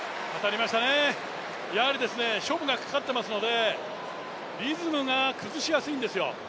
やはり勝負がかかっていますので、リズムが崩しやすいんですよ。